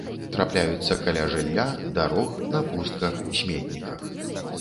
Трапляюцца каля жылля, дарог, на пустках, сметніках.